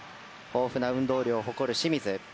豊富な運動量を誇る清水。